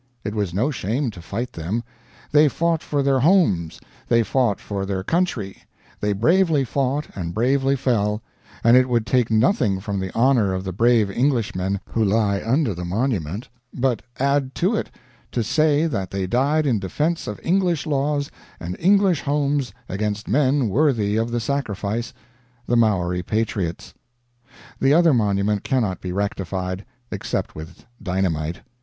It was no shame to fight them. They fought for their homes, they fought for their country; they bravely fought and bravely fell; and it would take nothing from the honor of the brave Englishmen who lie under the monument, but add to it, to say that they died in defense of English laws and English homes against men worthy of the sacrifice the Maori patriots. The other monument cannot be rectified. Except with dynamite.